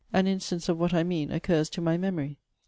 An instance of what I mean occurs to my memory.